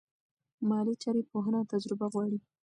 مالي چارې پوهنه او تجربه غواړي.